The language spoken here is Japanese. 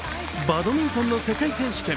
バドミントンの世界選手権。